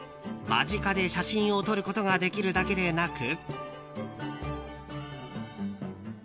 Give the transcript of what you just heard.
間近で写真を撮ることができるだけでなく。